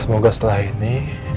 semoga setelah ini